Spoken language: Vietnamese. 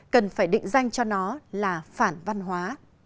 cần phải định danh cho nó là phản văn hóa